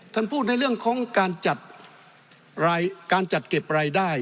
ท่านพูดในเรื่องของการจัดการจัดเก็บรายได้